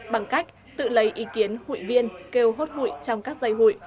bằng cách tự lấy ý kiến hụi viên kêu hốt hụi trong các giây hụi